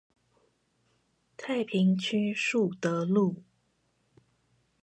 太平區樹德路